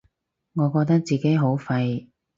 我覺得自己好廢